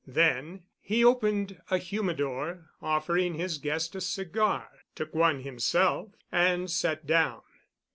Then he opened a humidor, offered his guest a cigar, took one himself, and sat down.